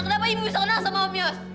kenapa ibu bisa kenal sama om yos